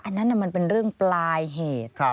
อันนั้นมันเป็นเรื่องปลายเหตุ